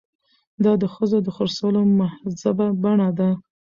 دا د ښځو د خرڅولو مهذبه بڼه ده.